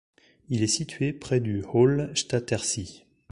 Il est situé près du Hallstättersee.